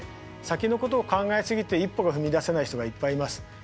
先のことを考え過ぎて一歩が踏み出せない人がいっぱいいます。